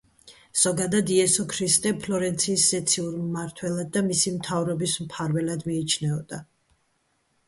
ზოგადად, იესო ქრისტე ფლორენციის ზეციურ მმართველად და მისი მთავრობის მფარველად მიიჩნეოდა.